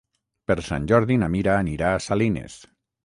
Per Sant Jordi na Mira anirà a Salines.